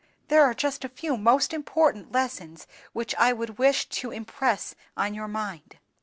There are just a few most important lessons which I would wish to impress on your mind.